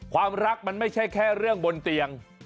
ความรักมันไม่ใช่แค่เรื่องบนเตียง